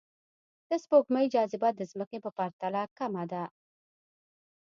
د سپوږمۍ جاذبه د ځمکې په پرتله کمه ده